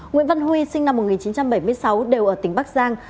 nguyễn văn huy sinh năm một nghìn chín trăm bảy mươi sáu đều ở tỉnh bắc giang